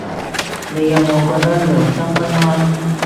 你有冇覺得良心不安